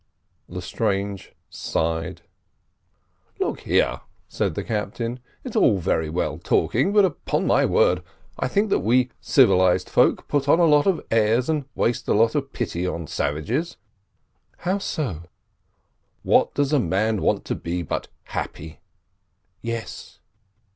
Lestrange sighed. "Look here," said the captain; "it's all very well talking, but upon my word I think that we civilised folk put on a lot of airs, and waste a lot of pity on savages." "How so?" "What does a man want to be but happy?" "Yes."